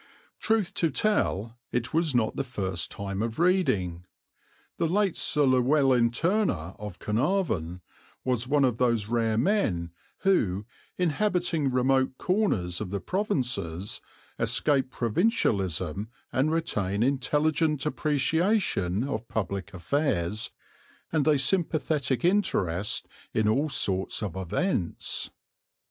Truth to tell, it was not the first time of reading. The late Sir Llewelyn Turner, of Carnarvon, was one of those rare men who, inhabiting remote corners of the provinces, escape provincialism and retain intelligent appreciation of public affairs and a sympathetic interest in all sorts of events.